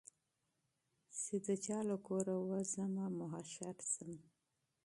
چي د چا له کوره وزمه محشر سم